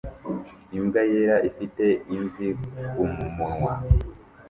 Imbwa yera ifite imvi kumunwa